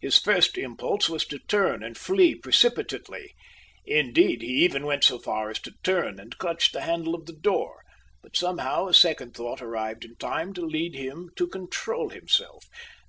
His first impulse was to turn, and flee precipitately: indeed, he even went so far as to turn, and clutch the handle of the door; but somehow a second thought arrived in time to lead him to control himself.